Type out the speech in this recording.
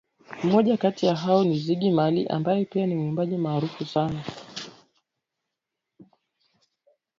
Mmoja kati ya hao ni Ziggy Marley ambaye pia ni mwimbaji maarufu sana